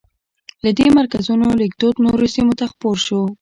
له دې مرکزونو لیکدود نورو سیمو ته خپور شو.